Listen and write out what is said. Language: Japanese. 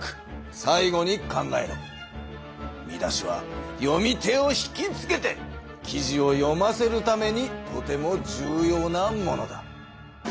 見出しは読み手を引きつけて記事を読ませるためにとても重要なものだ。